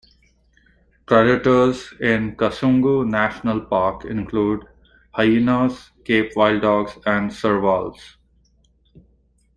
Predators in Kasungu National Park include, hyenas, Cape wild dogs and servals.